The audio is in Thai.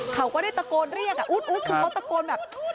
เขาก็ได้ตะโกนเรียกอู๊ดคือเขาตะโกนแบบ